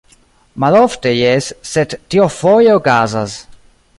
Malofte, jes, sed tio foje okazas.